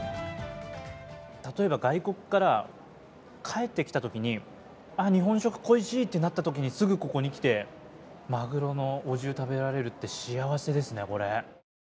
例えば外国から帰ってきたときにあ、日本食恋しいってなったときにすぐここに来てマグロのお重を食べられるって幸せですね。